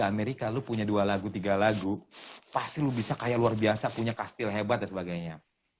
amerika lu punya dua lagu tiga lagu pasti lo bisa kaya luar biasa punya kastil hebat dan sebagainya